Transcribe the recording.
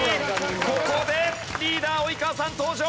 ここでリーダー及川さん登場！